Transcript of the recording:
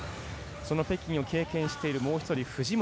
その北京を経験しているもう１人藤本。